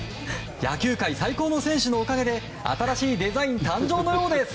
野球界最高の選手のおかげで新しいデザイン誕生のようです。